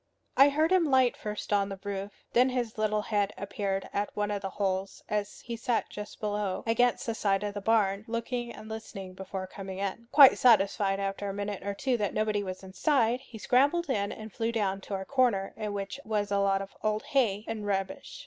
I heard him light first on the roof; then his little head appeared at one of the holes as he sat just below, against the side of the barn, looking and listening before coming in. Quite satisfied after a minute or two that nobody was inside, he scrambled in and flew down to a corner in which was a lot of old hay and rubbish.